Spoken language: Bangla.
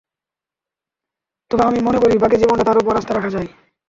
তবে আমি মনে করি, বাকি জীবনটা তাঁর ওপর আস্থা রাখা যায়।